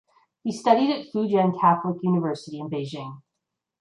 He studied at Fu Jen Catholic University in Beijing.